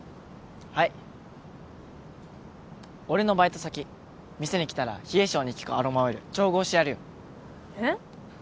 はい俺のバイト先店に来たら冷え性に効くアロマオイル調合してやるよえっ？